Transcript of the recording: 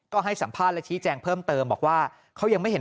ก็ให้สัมภาษณ์และชี้แจงเพิ่มเติมบอกว่าเขายังไม่เห็น